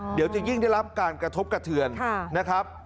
เดี๋ยวจะยิ่งได้รับการกระทบกระเทือนนะครับ